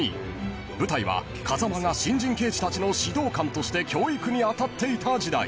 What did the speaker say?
［舞台は風間が新人刑事たちの指導官として教育にあたっていた時代］